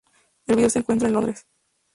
El vídeo se encuentra en Londres.